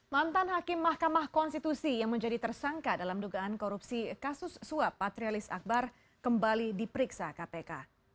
mantan hakim mahkamah konstitusi yang menjadi tersangka dalam dugaan korupsi kasus suap patrialis akbar kembali diperiksa kpk